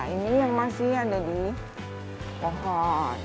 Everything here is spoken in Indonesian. ini yang masih ada di pohon